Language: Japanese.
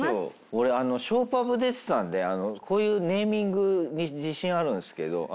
俺ショーパブ出てたのでこういうネーミングに自信あるんですけど。